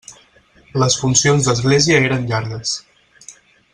Les funcions d'església eren llargues.